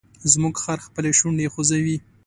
زموږ خر خپلې شونډې خوځوي.